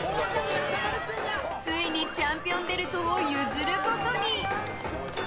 ついにチャンピオンベルトを譲ることに。